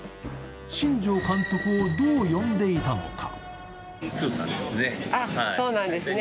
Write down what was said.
新庄監督をどう呼んでいたのか。